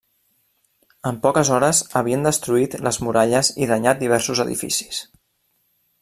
En poques hores havien destruït les muralles i danyat diversos edificis.